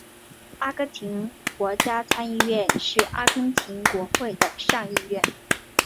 阿根廷国家参议院是阿根廷国会的上议院。